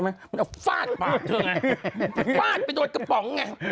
มันเอาฟาดไปกระป๋อง